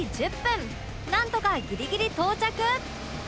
なんとかギリギリ到着！